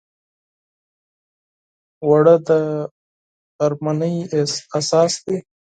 اوړه د غرمنۍ اساس دی